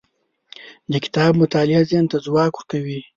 د کتاب مطالعه ذهن ته ځواک ورکوي.